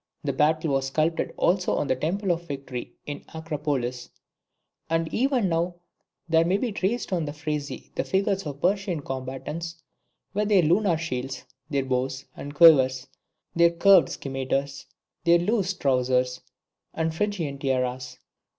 The battle was sculptured also on the Temple of Victory in the Acropolis; and even now there may be traced on the frieze the figures of the Persian combatants with their lunar shields, their bows and quivers, their curved scimetars, their loose trowsers, and Phrygian tiaras.